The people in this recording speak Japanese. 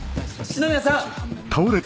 四宮さん！